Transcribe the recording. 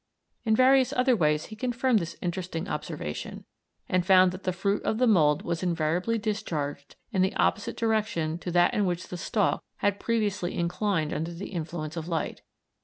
In various other ways he confirmed this interesting observation, and found that the fruit of the mould was invariably discharged in the opposite direction to that in which the stalk had previously inclined under the influence of light.